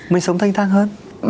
mình sống thanh thang hơn